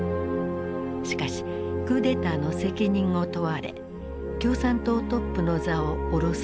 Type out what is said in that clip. しかしクーデターの責任を問われ共産党トップの座を降ろされた。